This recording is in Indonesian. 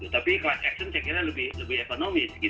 tapi kelas action saya kira lebih ekonomis